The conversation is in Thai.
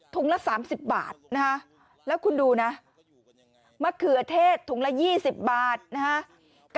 ละ๓๐บาทนะฮะแล้วคุณดูนะมะเขือเทศถุงละ๒๐บาทนะฮะ